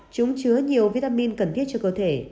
chúng chứa nhiều vitamin cần thiết cho cơ thể